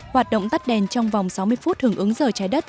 hoạt động tắt đèn trong vòng sáu mươi phút hưởng ứng giờ trái đất